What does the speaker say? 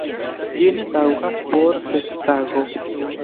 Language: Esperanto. Ĝi ne taŭgas por festtago!